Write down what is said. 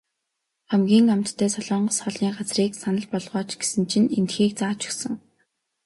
Хамгийн амттай солонгос хоолны газрыг санал болгооч гэсэн чинь эндхийг зааж өгсөн.